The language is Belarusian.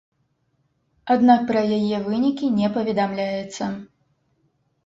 Аднак пра яе вынікі не паведамляецца.